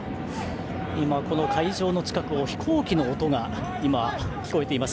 会場の近くで飛行機の音が聞こえています。